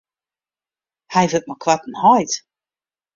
Hy wurdt mei koarten heit.